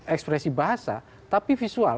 ekspresi bahasa tapi visual